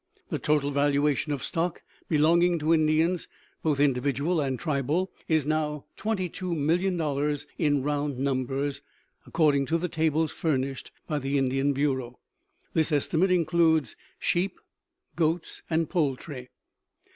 The total valuation of stock belonging to Indians, both individual and tribal, is now twenty two million dollars in round numbers, according to the tables furnished by the Indian Bureau. This estimate includes sheep, goats, and poultry.